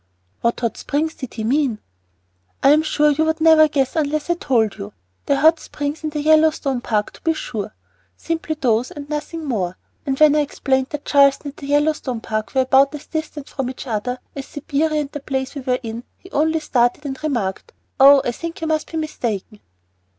"What hot springs did he mean?" "I am sure you would never guess unless I told you. The hot springs in the Yellowstone Park, to be sure, simply those, and nothing more! And when I explained that Charleston and the Yellowstone were about as distant from each other as Siberia and the place we were in, he only stared and remarked, 'Oh, I think you must be mistaken.'"